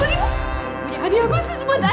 punya hadiah khusus buat anda